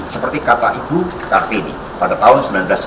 seperti kata ibu kartini pada tahun seribu sembilan ratus sembilan puluh